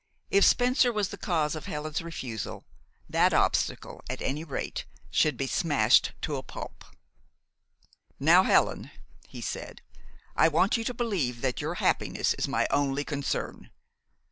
If Spencer was the cause of Helen's refusal, that obstacle, at any rate, could be smashed to a pulp. "Now, Helen," he said, "I want you to believe that your happiness is my only concern.